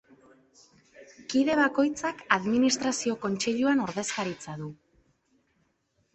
Kide bakoitzak Administrazio Kontseiluan ordezkaritza du.